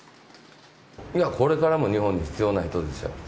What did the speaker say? これからも日本に必要な人ですよ。